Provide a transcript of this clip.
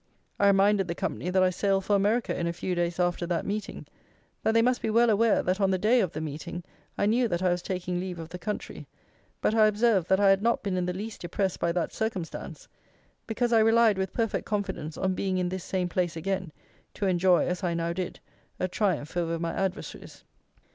I reminded the company that I sailed for America in a few days after that meeting; that they must be well aware that, on the day of the meeting, I knew that I was taking leave of the country, but, I observed, that I had not been in the least depressed by that circumstance; because I relied, with perfect confidence, on being in this same place again, to enjoy, as I now did, a triumph over my adversaries.